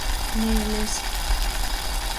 Mīlis.